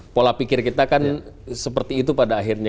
pola pikir kita kan seperti itu pada akhirnya